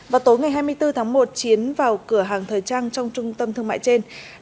vào tối ngày hai mươi bốn tháng một chiến vào cửa hàng thời trang trong trung tâm thương mại trên